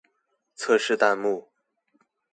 測試彈幕